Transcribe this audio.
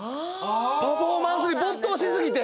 パフォーマンスに没頭しすぎて。